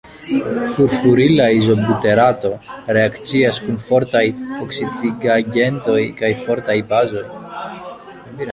Furfurila izobuterato reakcias kun fortaj oksidigagentoj kaj fortaj bazoj.